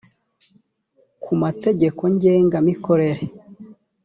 ku mategeko ngenga mikorere